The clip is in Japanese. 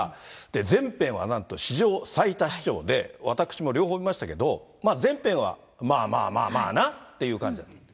前編はなんと史上最多視聴で、私も両方見ましたけど、前編は、まあまあまあまあなっていう感じで。